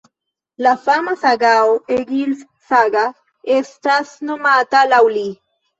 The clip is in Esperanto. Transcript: La fama sagao Egils-Saga estas nomata laŭ li.